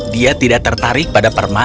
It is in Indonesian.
dia tidak tertarik pada perma